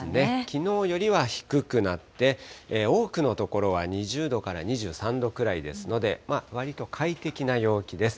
きのうよりは低くなって、多くの所は２０度から２３度くらいですので、わりと快適な陽気です。